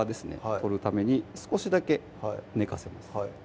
取るために少しだけ寝かせます